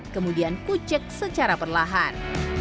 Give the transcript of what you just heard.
kemudian kucek secara perlahan